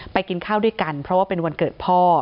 กินข้าวด้วยกันเพราะว่าเป็นวันเกิดพ่อ